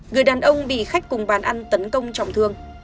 người đàn ông bị khách cùng bàn ăn tấn công trọng thương